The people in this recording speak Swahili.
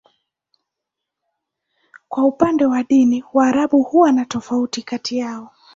Kwa upande wa dini, Waarabu huwa na tofauti kati yao.